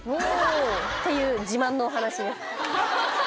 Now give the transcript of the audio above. おおっていう自慢のお話です